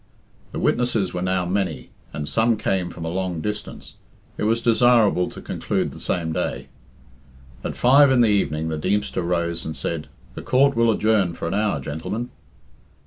The witnesses were now many, and some came from a long distance. It was desirable to conclude the same day. At five in the evening the Deemster rose and said, "The Court will adjourn for an hour, gentlemen."